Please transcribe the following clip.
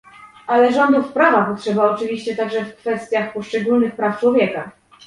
Ale rządów prawa potrzeba oczywiście także w kwestiach poszczególnych praw człowieka